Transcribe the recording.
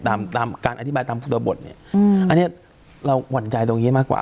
ตามตามการอธิบายตามตัวบทเนี่ยอันนี้เราหวั่นใจตรงนี้มากกว่า